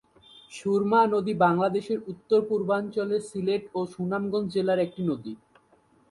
সুরমা নদী বাংলাদেশের উত্তর-পূর্বাঞ্চলের সিলেট ও সুনামগঞ্জ জেলার একটি নদী।